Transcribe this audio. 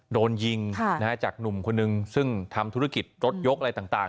โดนยิงจากหนุ่มคนนึงซึ่งทำธุรกิจรถยกอะไรต่าง